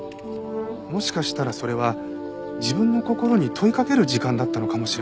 もしかしたらそれは自分の心に問いかける時間だったのかもしれません。